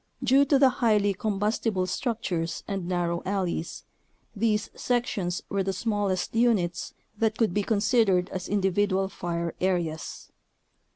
Due to the highly combustible structures and narrow alleys, these sections were the smallest units that could be considered as individual fire areas.